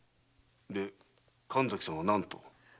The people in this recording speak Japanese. で神崎さんは何と？